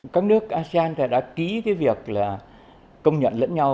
các nước asean đã ký việc công nhận lẫn nhau